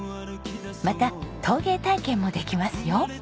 また陶芸体験もできますよ。